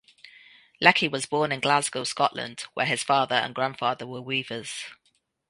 Leckie was born in Glasgow, Scotland, where his father and grandfather were weavers.